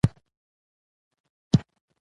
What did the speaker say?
له هغه مهاله چې موږ د ولس په توګه جوړ شوي یو